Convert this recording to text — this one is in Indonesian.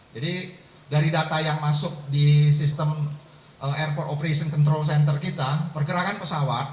jadi dari data yang masuk di sistem airport operation control center kita pergerakan pesawat